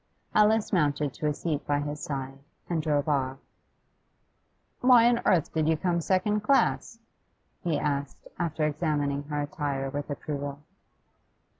Alice mounted to a seat by his side, and he drove off. 'Why on earth did you come second class?' he asked, after examining her attire with approval.